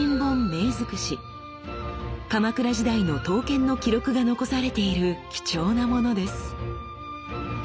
鎌倉時代の刀剣の記録が残されている貴重な物です。